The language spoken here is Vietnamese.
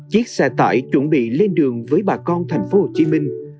chiếc xe tải chuẩn bị lên đường với bà con thành phố hồ chí minh